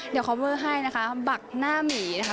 เดี๋ยวคอเวอร์ให้นะคะบักหน้าหมีนะคะ